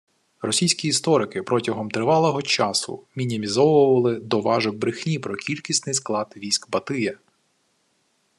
Російські історики протягом тривалого часу мінімізовували «доважок брехні» про кількісний склад військ Батия